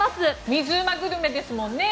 水うまグルメですもんね。